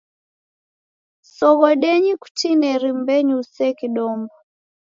Soghodenyi kutineri mbenyu usee kidombo.